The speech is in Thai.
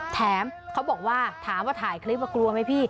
แถมเขาบอกว่าถามว่าถ่ายคลิปว่ากลัวไหมพี่